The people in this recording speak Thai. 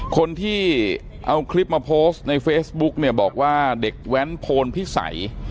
คนที่เอาคลิปมาโพสต์ในเฟซบุ๊กเนี่ยบอกว่าเด็กแว้นโพนพิสัย